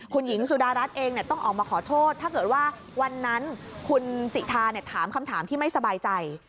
คุณหญิงสุดารัฐเองต้องออกมาขอโทษถ้าเกิดว่าวันนั้นคุณสิทาถามคำถามที่ไม่สบายใจ